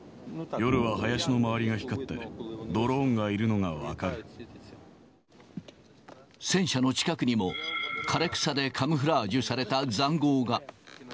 夜は林の周りが光って、戦車の近くにも、枯れ草でカムフラージュされたざんごうが。